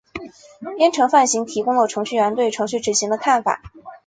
编程范型提供了程序员对程序执行的看法。